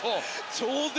超絶！